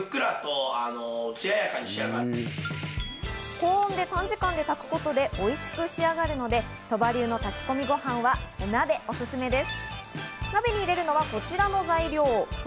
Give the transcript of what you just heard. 高温で短時間で炊くことでおいしく仕上がるので鳥羽流の炊き込みご飯は鍋おすすめです。